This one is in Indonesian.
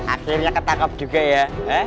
akhirnya ketangkap juga ya